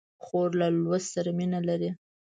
خور له لوست سره مینه لري.